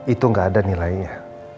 itu gak ada nilainya